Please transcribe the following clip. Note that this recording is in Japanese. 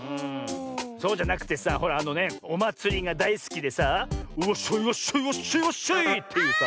そうじゃなくてさほらあのねおまつりがだいすきでさあ「ワッショイワッショイワッショイワッショイ」っていうさ。